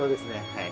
はい。